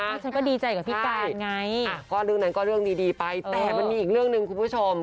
ฉันก็ดีใจกับพี่การไงก็เรื่องนั้นก็เรื่องดีดีไปแต่มันมีอีกเรื่องหนึ่งคุณผู้ชม